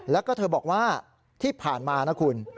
แล้วก็เธอบอกว่าที่ผ่านมานะคุณ